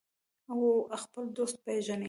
او خپل دوست پیژني.